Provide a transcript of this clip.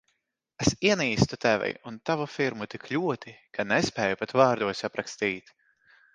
Es ienīstu Tevi un tavu firmu tik ļoti, ka nespēju pat vārdos aprakstīt.